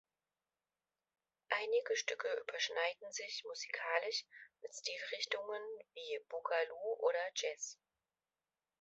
Einige Stücke überschneiden sich musikalisch mit Stilrichtungen wie Boogaloo oder Jazz.